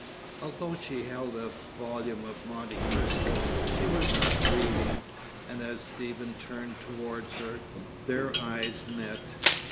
Although she held a volume of "Monte Cristo," she was not reading, and as Stephen turned towards her, their eyes met.